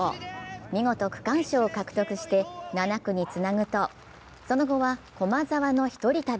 見事、区間賞を獲得して７区につなぐと、その後は駒澤のひとり旅。